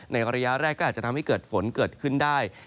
ในระยะแรกก็อาจจะทำให้เกิดฝนเกิดขึ้นได้